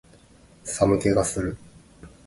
寒気がする